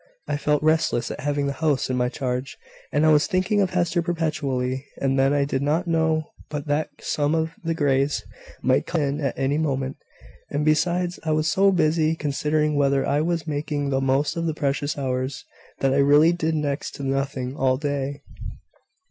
I felt restless at having the house in my charge; and I was thinking of Hester perpetually; and then I did not know but that some of the Greys might come in at any moment: and besides, I was so busy considering whether I was making the most of the precious hours, that I really did next to nothing all day."